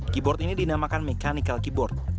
keyboard ini dinamakan mechanical keyboard